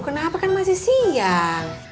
kenapa kan masih siang